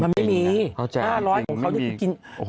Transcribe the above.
มันไม่มี๕๐๐ของเขา